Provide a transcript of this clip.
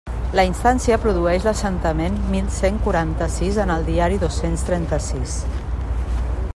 La instància produeix l'assentament mil cent quaranta-sis en el Diari dos-cents trenta-sis.